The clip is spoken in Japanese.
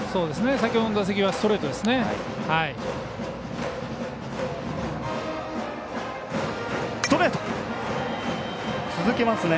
先ほどの打席はストレートですね。